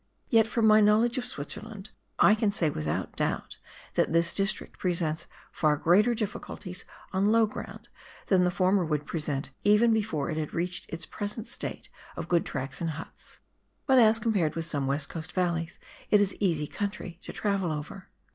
Yet from my knowledge of Switzerland I can say without doubt that this district presents far greater difficulties on low ground than the former would present, even before it had reached its present state of good tracks and huts. But as compared with some of the West Coast valleys, it is easy country to travel over.